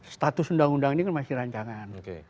status undang undang ini kan masih rancangan